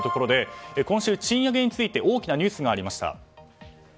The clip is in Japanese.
今週、賃上げについて大きなニュースがありました。